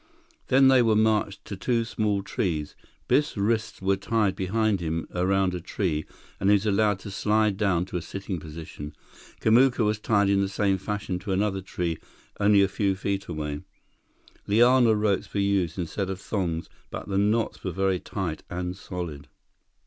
Then they were marched to two small trees. Biff's wrists were tied behind him around a tree, and he was allowed to slide down to a sitting position. Kamuka was tied in the same fashion to another tree only a few feet away. Liana ropes were used instead of thongs, but the knots were very tight and solid.